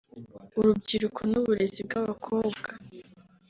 urubyiruko n’uburezi bw’abakobwa